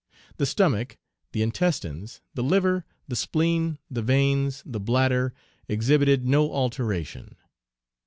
The stomach, the intestines, the liver, the spleen, the veins, the bladder, exhibited no alteration.